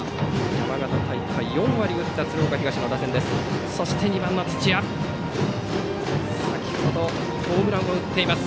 山形大会４割を打った鶴岡東の打線です。